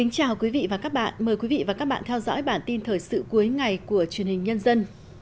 chào các bạn mời quý vị và các bạn theo dõi bản tin thời sự cuối ngày của truyền hình nhân dân